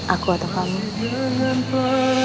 aku atau kamu